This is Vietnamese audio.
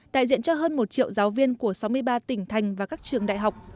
đại diện cho hơn một triệu giáo viên của sáu mươi ba tỉnh thành và các trường đại học